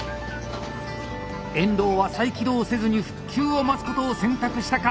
遠藤は再起動せずに復旧を待つことを選択したか⁉